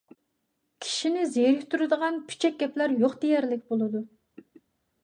كىشىنى زېرىكتۈرىدىغان پۈچەك گەپلەر يوق دېيەرلىك بولىدۇ.